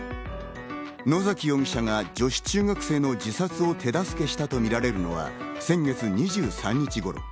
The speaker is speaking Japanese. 野崎容疑者が女子中学生の自殺を手助けしたとみられるのは先月２３日頃。